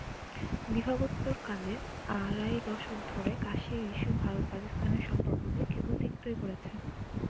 বিভাগোত্তরকালে আড়াই দশক ধরে কাশ্মীর ইস্যু ভারত-পাকিস্তানের সম্পর্ককে কেবল তিক্তই করেছে।